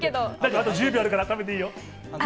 あと１０秒あるから食べていいよ。